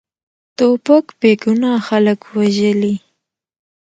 توپک بېګناه خلک وژلي.